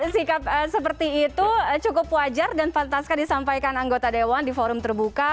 sikap seperti itu cukup wajar dan pantaskan disampaikan anggota dewan di forum terbuka